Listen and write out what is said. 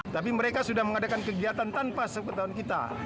tapi mereka sudah mengadakan kegiatan tanpa sepengetahuan kita